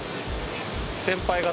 先輩方。